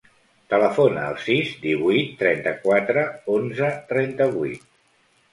Telefona al sis, divuit, trenta-quatre, onze, trenta-vuit.